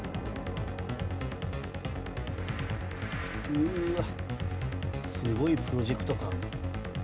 うわすごいプロジェクト感。